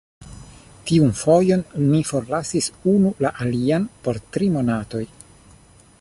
Tiun fojon, ni forlasis unu la alian por tri monatoj.